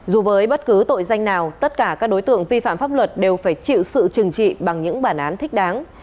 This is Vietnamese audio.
dù với bất cứ tội danh nào tất cả các đối tượng vi phạm pháp luật đều phải chịu sự trừng trị bằng những bản án thích đáng